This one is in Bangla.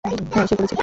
হ্যাঁ, সে করেছে।